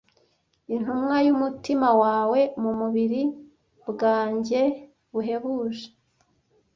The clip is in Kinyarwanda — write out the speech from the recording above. intumwa yumutima wawe muburiri bwanjye buhebuje